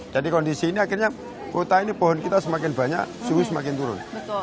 jadi kondisi ini akhirnya kota ini pohon kita semakin banyak suhu semakin turun